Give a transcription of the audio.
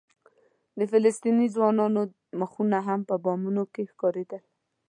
د فلسطیني ځوانانو مخونه هم په بامونو کې ښکارېدل.